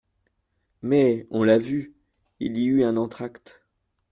Mais, on l'a vu, il y eut un entr'acte.